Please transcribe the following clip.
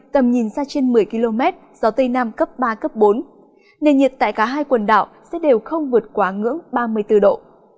tầm nhìn xa trên một mươi km gió tây nam cấp ba bốn nền nhiệt tại cả hai quần đảo sẽ đều không vượt quá ngưỡng ba mươi bốn độ